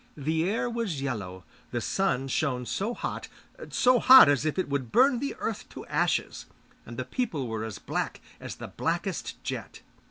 The air was yellow; the sun shone so hot, so hot as if it would burn the earth to ashes, and the people were as black as the blackest jet.